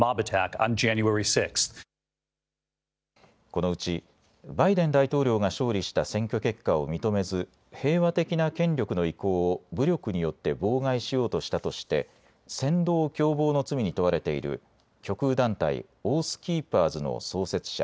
このうちバイデン大統領が勝利した選挙結果を認めず平和的な権力の移行を武力によって妨害しようとしたとして扇動共謀の罪に問われている極右団体、オース・キーパーズの創設者